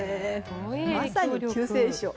まさに救世主。